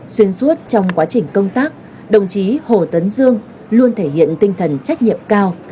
xuyên suốt trong quá trình công tác đồng chí hồ tấn dương luôn thể hiện tinh thần trách nhiệm cao